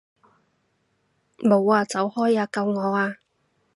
冇啊！走開啊！救我啊！